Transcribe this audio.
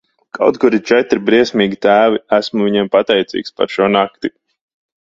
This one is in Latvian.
Kaut kur ir četri briesmīgi tēvi, esmu viņiem pateicīgs par šo nakti.